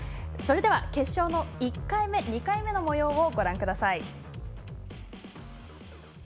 それでは、決勝の１回目、２回目のもようをご覧ください。